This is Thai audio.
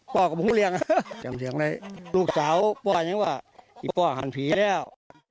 พ่อกับผมไม่เลี้ยงลูกสาวพ่ออย่างนี้ว่าไอ้พ่อหันผีแล้ว